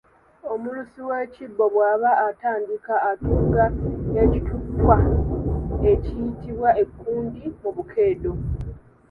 Omulusi w’ekibbo bwata atandika atugga ekituttwa kiyitibwa Ekkundi mu bukeedo.